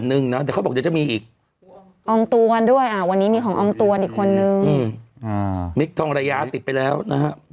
อืมมิกทองระยะติดไปแล้วนะครับ